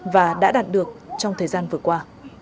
và đã đạt được trong thời gian vừa qua